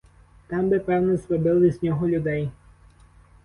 Там би, певне, зробили з нього людей!